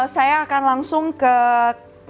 saya akan langsung ke mbak olive